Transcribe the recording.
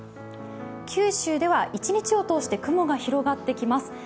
九州では一日を通して雲が広がってきます。